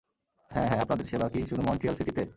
হ্যাঁ, হ্যাঁ আপনাদের সেবা কি শুধু মন্ট্রিয়াল সিটিতে?